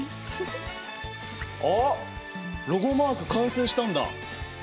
あっロゴマーク完成したんだ。